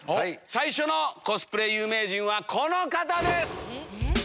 最初のコスプレ有名人はこの方です。